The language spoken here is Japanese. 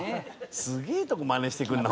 すげえとこマネしてくんな。